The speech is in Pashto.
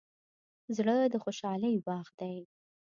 زړه د خوشحالۍ باغ دی.